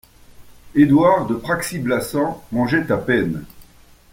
Édouard de Praxi-Blassans mangeait à peine.